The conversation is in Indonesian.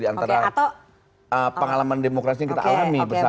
diantara pengalaman demokrasi yang kita alami bersama gitu